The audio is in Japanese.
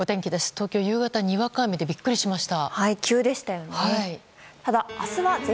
東京、夕方にわか雨でビックリしました。